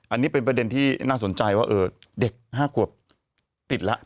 อันนี้เป็นประเด็นที่น่าสนใจว่าเด็ก๕ขวบติดแล้ว